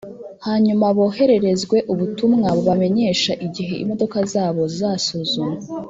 hanyuma bohererezwe ubutumwa bubamenyesha igihe imodoka zabo zizasuzumwa